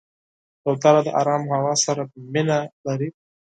کوتره د آرام هوا سره مینه لري.